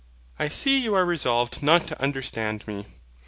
I see you are resolved not to understand me.